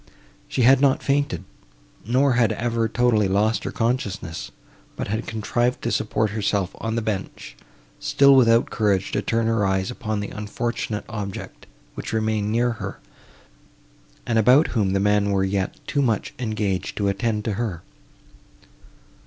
She had not fainted, nor had ever totally lost her consciousness, but had contrived to support herself on the bench; still without courage to turn her eyes upon the unfortunate object, which remained near her, and about whom the men were yet too much engaged to attend to her.